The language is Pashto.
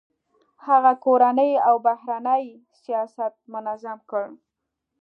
هغه کورنی او بهرنی سیاست منظم کړ.